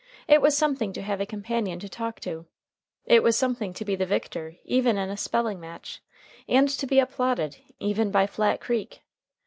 It was something to have a companion to talk to. It was something to be the victor even in a spelling match, and to be applauded even by Flat Creek.